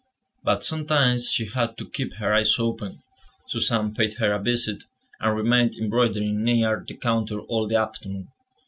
But sometimes she had to keep her eyes open; Suzanne paid her a visit, and remained embroidering near the counter all the afternoon.